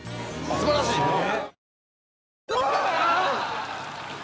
すばらしい！